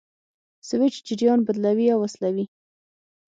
سویچ جریان بندوي او وصلوي.